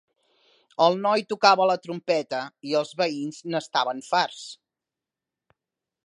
El noi tocava la trompeta i els veïns n'estaven farts.